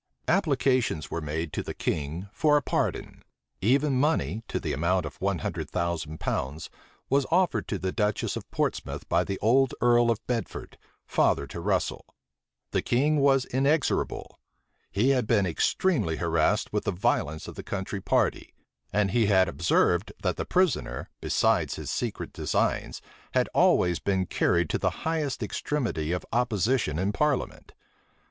Applications were made to the king for a pardon: even money, to the amount of one hundred thousand pounds, was offered to the duchess of Portsmouth by the old earl of Bedford, father to Russel. The king was inexorable. He had been extremely harassed with the violence of the country party; and he had observed, that the prisoner, besides his secret designs, had always been carried to the highest extremity of opposition in parliament.